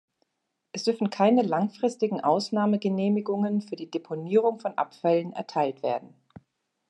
Es dürfen keine langfristigen Ausnahmegenehmigungen für die Deponierung von Abfällen erteilt werden.